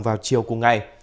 vào chiều cùng ngày